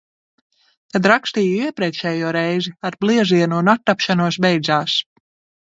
Kad rakstīju iepriekšējo reizi, ar bliezienu un attapšanos beidzās.